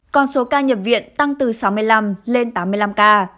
còn số ca nhập viện tăng từ sáu mươi năm lên tám mươi năm ca